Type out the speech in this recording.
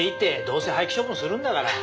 どうせ廃棄処分するんだから。